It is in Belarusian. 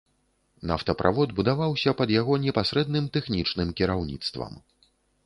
Нафтаправод будаваўся пад яго непасрэдным тэхнічным кіраўніцтвам.